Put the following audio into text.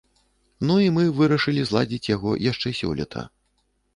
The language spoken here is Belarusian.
Ну і мы вырашылі зладзіць яго яшчэ сёлета.